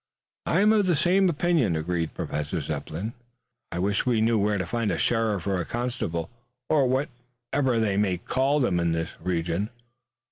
"I am of the same opinion," agreed Professor Zepplin. "I wish we knew where to find a sheriff or a constable, or whatever they may call them in this region."